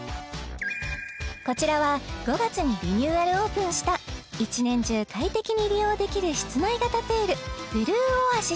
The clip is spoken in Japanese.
こちらは５月にリニューアルオープンした一年中快適に利用できる室内型プールＢｌｕｅＯａｓｉｓ